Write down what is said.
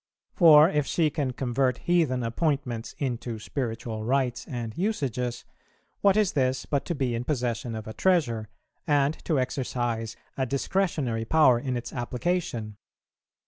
For if she can convert heathen appointments into spiritual rites and usages, what is this but to be in possession of a treasure, and to exercise a discretionary power in its application?